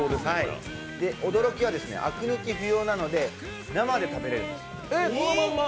驚きはアク抜き不要なので生で食べれるんです。